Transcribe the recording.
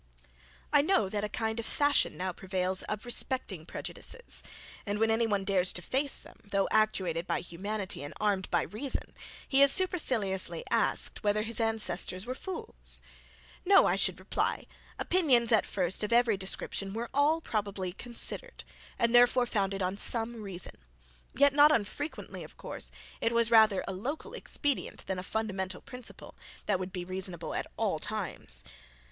I know that a kind of fashion now prevails of respecting prejudices; and when any one dares to face them, though actuated by humanity and armed by reason, he is superciliously asked, whether his ancestors were fools. No, I should reply; opinions, at first, of every description, were all, probably, considered, and therefore were founded on some reason; yet not unfrequently, of course, it was rather a local expedient than a fundamental principle, that would be reasonable at all times.